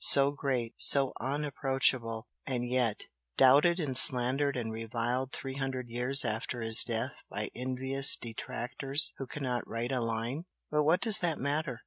So great, so unapproachable, and yet! doubted and slandered and reviled three hundred years after his death by envious detractors who cannot write a line!" "But what does that matter?"